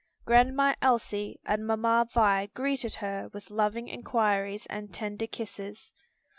Grandma Elsie and Mamma Vi greeted her with loving inquiries and tender kisses.